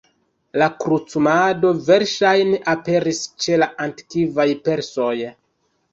La krucumado verŝajne aperis ĉe la antikvaj persoj.